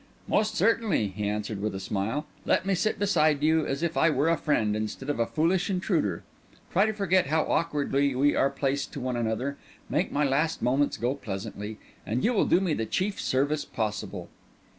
"Most certainly," he answered with a smile. "Let me sit beside you as if I were a friend, instead of a foolish intruder; try to forget how awkwardly we are placed to one another; make my last moments go pleasantly; and you will do me the chief service possible."